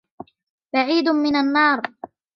بَعِيدٌ مِنْ النَّارِ